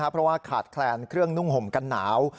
เพราะว่าขาดแคลนเครื่องนุ่งห่มกันหนาว